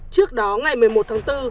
trước đó ngày một mươi một tháng bốn